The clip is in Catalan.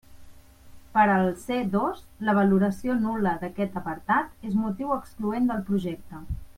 Per al C dos, la valoració nul·la d'aquest apartat és motiu excloent del projecte.